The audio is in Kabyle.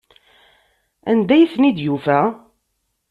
Anda ay ten-id-yufa?